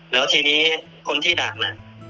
แล้วทีนี้คนที่ดักน่ะ